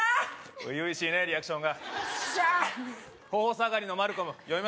初々しいね、リアクションが。